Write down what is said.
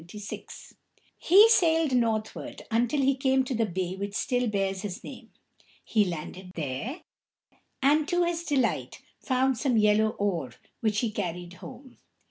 He sailed northward until he came to the bay which still bears his name. He landed there, and, to his delight, found some yellow ore, which he carried home.